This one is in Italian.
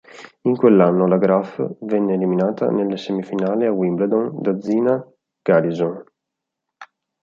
In quell'anno la Graf venne eliminata nelle semifinali a Wimbledon da Zina Garrison.